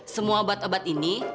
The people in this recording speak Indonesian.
semua obat obat ini